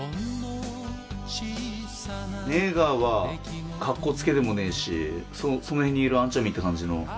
ネイガーはかっこつけでもねえしその辺にいる兄ちゃんみてえな感じの。